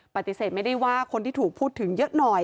ปฏิเสธไม่ได้ว่าคนที่ถูกพูดถึงเยอะหน่อย